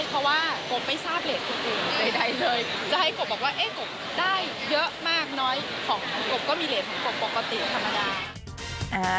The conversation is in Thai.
เพราะว่ากบไม่ทราบเหรสคนอื่นใดเลยจะให้กบบอกว่าเอ๊ะกบได้เยอะมากน้อยของกบก็มีเหรสของกบปกติธรรมดา